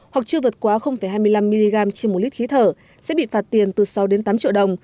hoặc chưa vượt quá hai mươi năm mg trên một lít khí thở sẽ bị phạt tiền từ sáu tám triệu đồng